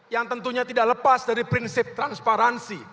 yang tentunya tidak lepas dari prinsip transparansi